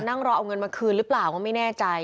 นั่งรอเอาเงินมาคืนหรือเปล่าก็ไม่แน่ใจ